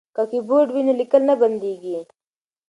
که کیبورډ وي نو لیکل نه بندیږي.